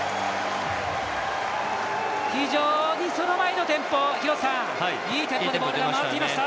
非常にその前のテンポいいテンポでボールが回っていました。